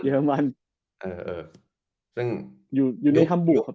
อยู่ในฮัมบุกครับ